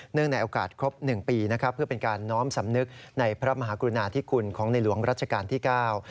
ในโอกาสครบหนึ่งปีนะครับเพื่อเป็นการน้อมสำนึกในพระมหากรุณาธิคุณของในหลวงรัชกาลที่เก้า